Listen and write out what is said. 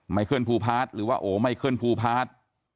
ไมเคลื่อนภูพาสหรือว่าโอ้ไมเคลื่อนภูพาส